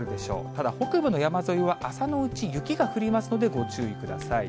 ただ北部の山沿いは、朝のうち雪が降りますのでご注意ください。